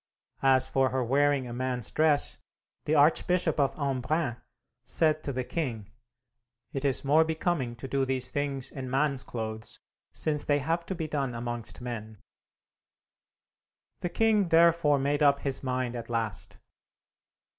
As for her wearing a man's dress, the Archbishop of Embrim said to the king, "It is more becoming to do these things in man's clothes, since they have to be done amongst men." The king therefore made up his mind at last.